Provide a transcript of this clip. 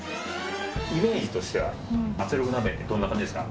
イメージとしては圧力鍋ってどんな感じですか？